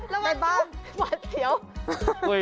ถ่ายบ้าน